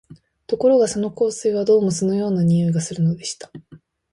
ところがその香水は、どうも酢のような匂いがするのでした